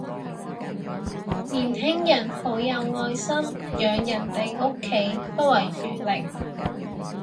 年輕人好有愛心，養人哋屋企不遺餘力